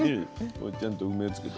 これちゃんと梅つけて。